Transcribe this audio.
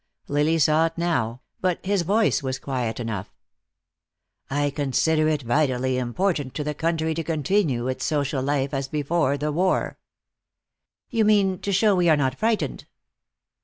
Lily saw it now, but his voice was quiet enough. "I consider it vitally important to the country to continue its social life as before the war." "You mean, to show we are not frightened?"